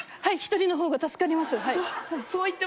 はい１人の方が助かりますそう？